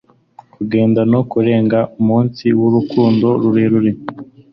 kugenda no kurenga umunsi w'urukundo rurerure